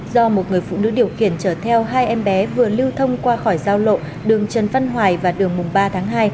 do một người phụ nữ điều khiển chở theo hai em bé vừa lưu thông qua khỏi giao lộ đường trần văn hoài và đường ba tháng hai